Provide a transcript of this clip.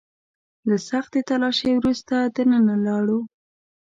له سختې تلاشۍ وروسته دننه لاړو.